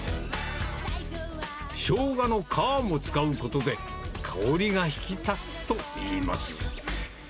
しょうがの皮も使うことで、香りが引き立つといいます。